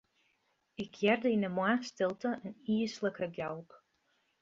Ik hearde yn 'e moarnsstilte in yslike gjalp.